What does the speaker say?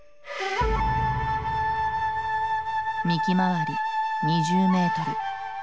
幹回り２０メートル。